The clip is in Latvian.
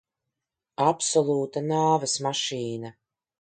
Absolūta nāves mašīna.